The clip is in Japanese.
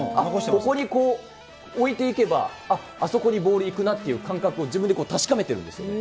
そこに置いていけば、あっ、あそこにボール行くなっていう感覚を自分で確かめてるんですよ。